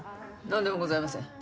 なんでもございません。